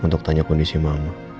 untuk tanya kondisi mama